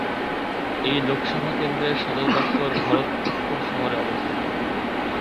এই লোকসভা কেন্দ্রর সদর দফতর ভরতপুর শহরে অবস্থিত।